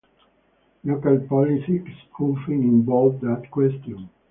Local politics often involve that question.